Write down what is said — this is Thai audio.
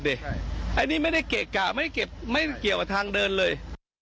แล้วไอ้นี่ไม่ได้เกะกะไม่เกี่ยวกับทางเดินเลย